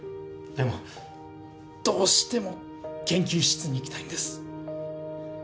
でもどうしても研究室に行きたいんです。